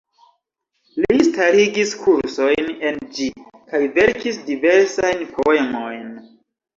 Li starigis kursojn en ĝi, kaj verkis diversajn poemojn.